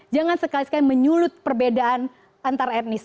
jangan sekali sekali menyulut perbedaan antar etnis